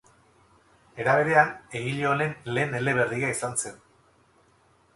Era berean, egile honen lehen eleberria izan zen.